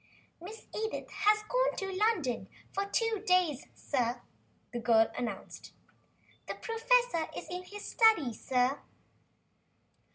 "Miss Edith has gone to London for two days, sir," the girl announced. "The professor is in his study, sir."